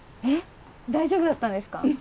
えっ大丈夫だったんですか？